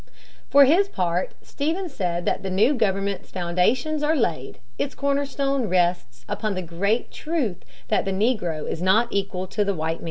For his part, Stephens said the new government's "foundations are laid, its cornerstone rests, upon the great truth that the negro is not equal to the white man."